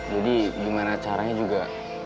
jadi gimana caranya juga